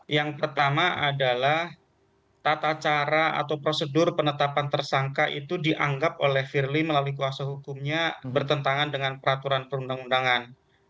yang pertama adalah tata cara atau prosedur penetapan tersangka itu dianggap oleh firly melalui kuasa hukumnya bertentangan dengan peraturan perundang undangan